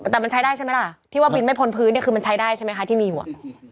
แต่มันใช้ได้ใช่ไหมล่ะที่ว่าบินไม่พ้นพื้นเนี่ยคือมันใช้ได้ใช่ไหมคะที่มีอยู่อ่ะ